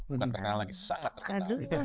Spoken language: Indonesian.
bukan terkenal lagi sangat terkenal